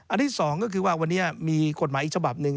ที่สองก็คือว่าวันนี้มีกฎหมายอีกฉบับหนึ่ง